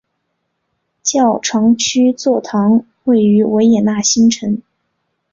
教长区座堂位于维也纳新城。